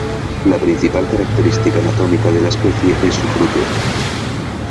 La principal característica anatómica de la especie es su fruto.